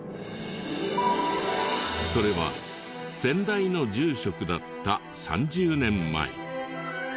それは先代の住職だった３０年前。